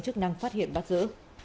chức năng phát hiện bắt giữ